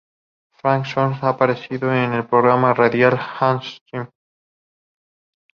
Frank Stallone ha aparecido en el programa radial de Howard Stern.